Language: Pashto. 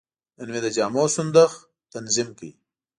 نن مې د جامو صندوق تنظیم کړ.